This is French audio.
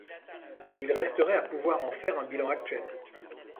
Il resterait à pouvoir en faire un bilan actuel.